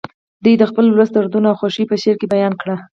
دوی د خپل ولس دردونه او خوښۍ په شعر کې بیان کړي